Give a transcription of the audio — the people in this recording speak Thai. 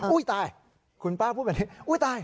ตายคุณป้าพูดแบบนี้อุ้ยตาย